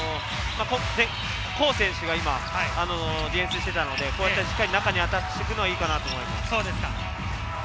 コー選手がディフェンスしていたので、中にアタックしていくのはいいかなと思います。